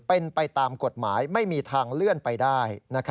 เป็นไปตามกฎหมายไม่มีทางเลื่อนไปได้